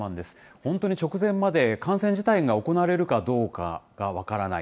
本当に直前まで観戦自体が行われるかどうかが分からない。